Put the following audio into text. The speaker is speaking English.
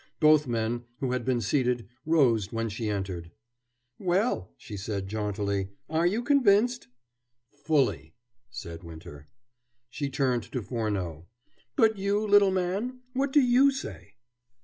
Both men, who had been seated, rose when she entered. "Well," she said jauntily, "are you convinced?" "Fully," said Winter. She turned to Furneaux. "But you, little man, what do you say?"